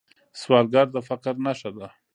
سوالګر د فقر نښه ده